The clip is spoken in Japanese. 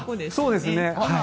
そうですね。